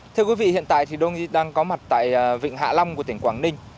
thưa quý vị hiện tại thì đông đang có mặt tại vịnh hạ long của tỉnh quảng ninh